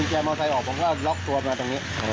แกมอไซค์ออกผมก็ล็อกตัวมาตรงนี้